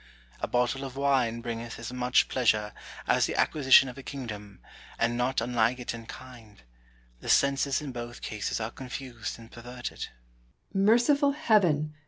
A bottle of wine bringeth as much pleasure as the acquisition of a kingdom, and not unlike it in kind : the senses in both cases are confused and perverted. Brooke. Merciful Heaven